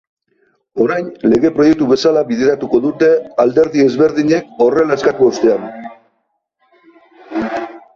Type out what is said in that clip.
Orain lege proiektu bezala bideratuko dute alderdi ezberdinek horrela eskatu ostean.